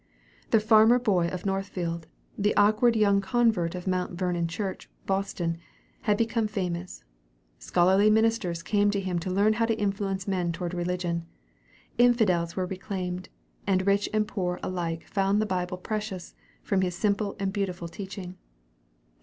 The farmer boy of Northfield, the awkward young convert of Mount Vernon Church, Boston, had become famous. Scholarly ministers came to him to learn how to influence men toward religion. Infidels were reclaimed, and rich and poor alike found the Bible precious, from his simple and beautiful teaching.